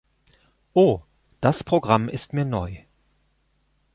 Oh, das Programm ist mir neu.